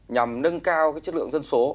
nhằm nâng cao cái chất lượng dân số